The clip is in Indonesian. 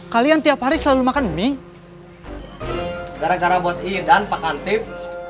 kalian tiap hari selalu makan mie gara gara bos i dan pak hamtip